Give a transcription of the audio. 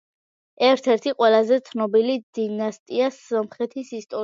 ერთ-ერთი ყველაზე ცნობილი დინასტია სომხეთის ისტორიაში.